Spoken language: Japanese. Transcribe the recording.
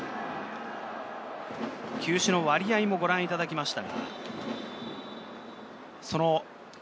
球種の割合もご覧いただきました。